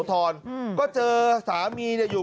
การนอนไม่จำเป็นต้องมีอะไรกัน